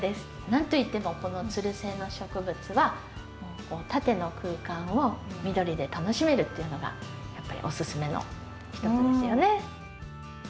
何といってもこのつる性の植物は縦の空間を緑で楽しめるっていうのがやっぱりおすすめの一つですよね。